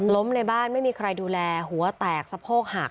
ในบ้านไม่มีใครดูแลหัวแตกสะโพกหัก